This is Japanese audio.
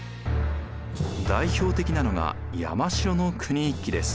代表的なのが山城の国一揆です。